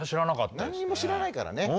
何にも知らないからね。